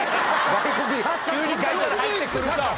急に外タレ入ってくるか！